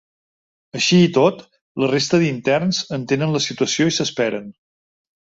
Així i tot, la resta d’interns entenen la situació i s’esperen.